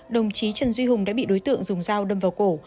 đồng chí trần duy hùng đã bị đối tượng dùng dao đâm vào cổ